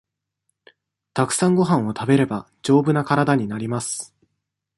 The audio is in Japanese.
たくさんごはんを食べれば、丈夫な体になります。